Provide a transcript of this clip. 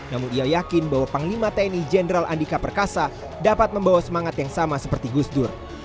namun ia yakin bahwa panglima tni jenderal andika perkasa dapat membawa semangat yang sama seperti gusdur